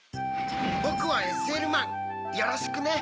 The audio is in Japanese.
ぼくはＳＬマンよろしくね。